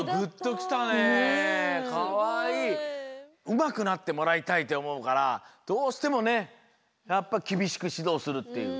うまくなってもらいたいっておもうからどうしてもねやっぱきびしくしどうするっていう。